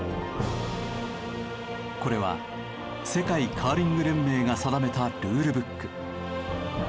これは世界カーリング連盟が定めたルールブック。